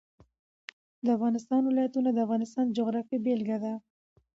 د افغانستان ولايتونه د افغانستان د جغرافیې بېلګه ده.